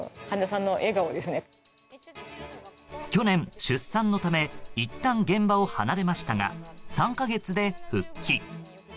去年、出産のためいったん現場を離れましたが３か月で復帰。